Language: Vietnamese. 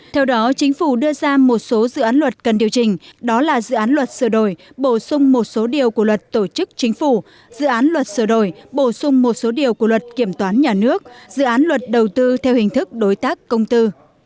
theo đó chính phủ đưa ra một số dự án luật cần điều chỉnh đó là dự án luật sửa đổi bổ sung một số điều của luật tổ chức chính phủ dự án luật sửa đổi bổ sung một số điều của luật kiểm toán nhà nước dự án luật đầu tư theo hình thức đối tác công tư